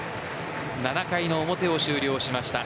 ７回の表は終了しました。